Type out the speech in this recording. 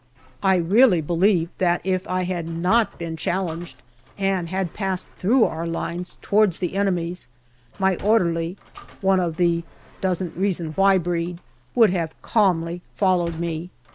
I really believe that if I had not been cnallenged and had passed through our lines towards the enemy's, my orderly, one of the " doesn't reason why " breed, would have calmly followed me.